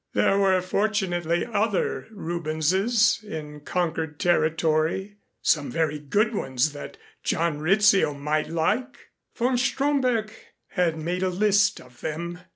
There were fortunately other Rubenses in conquered territory some very good ones that John Rizzio might like. Von Stromberg had made a list of them.